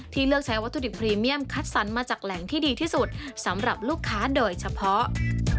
เลือกใช้วัตถุดิบพรีเมียมคัดสรรมาจากแหล่งที่ดีที่สุดสำหรับลูกค้าโดยเฉพาะ